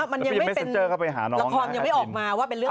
มันยังไม่ดังแต่ว่ามันยังไม่เป็น